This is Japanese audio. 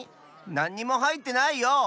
なんにもはいってないよ！